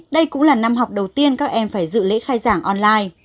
đây cũng là năm học đầu tiên các em phải dự lễ khai giảng online